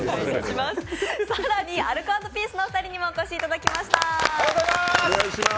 更にアルコ＆ピースのお二人にもお越しいただきました。